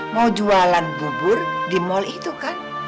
mau jualan bubur di mal itu kan